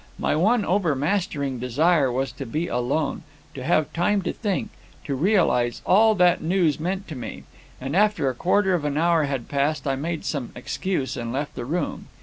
My one overmastering desire was to be alone; to have time to think; to realize all that the news meant to me; and after a quarter of an hour had passed I made some excuse, and left the room.